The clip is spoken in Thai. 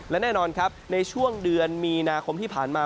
และแน่นอนครับในช่วงเดือนมีนาคมที่ผ่านมา